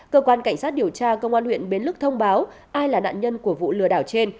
cơ quan cảnh sát điều tra công an huyện bến lức thông báo ai là nạn nhân của vụ lừa đảo trên